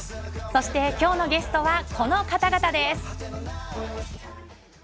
そして、今日のゲストはこの方々です。